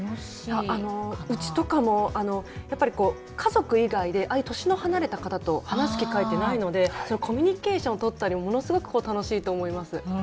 あのうちとかもやっぱり家族以外でああいう年の離れた方と話す機会ってないのでコミュニケーションとったりものすごく楽しいと思います。